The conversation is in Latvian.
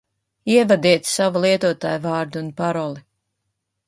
Ievadiet savu lietotājvārdu un paroli